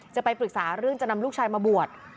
จะไปปรึกษาเรื่องจะนำลูกชายมาบวช